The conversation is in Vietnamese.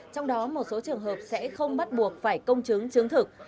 trong đó một số trường hợp sẽ không bắt buộc phải công chứng chứng thực